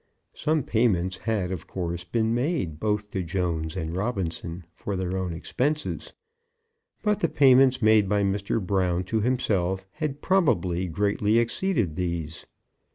Some payments had, of course, been made both to Jones and Robinson for their own expenses, but the payments made by Mr. Brown to himself had probably greatly exceeded these.